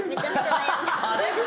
あれ？